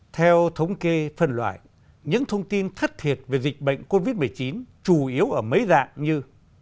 theo thống kê phần loại những thông tin thất thiệt về dịch bệnh covid một mươi chín chủ yếu ở mấy dạng như